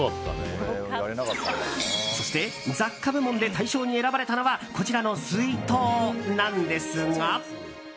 そして、雑貨部門で大賞に選ばれたのはこちらの水筒、なんですが。